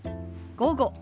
午後。